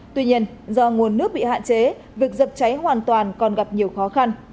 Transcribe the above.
tuy nhiên do nguồn nước bị hạn chế việc dập cháy hoàn toàn còn gặp nhiều khó khăn